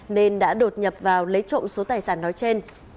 nên đã đột nhập vào lấy trộm số tài sản nói trên